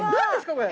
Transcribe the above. これ。